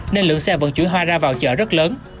nên lượng xe vận chuyển hoa ra vào chợ rất lớn